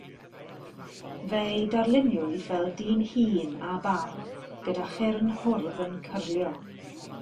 Fe'i darluniwyd fel dyn hŷn â barf gyda chyrn hwrdd yn cyrlio.